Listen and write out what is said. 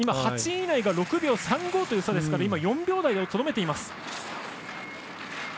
８位以内が６秒３５という差ですから４秒台にとどめています。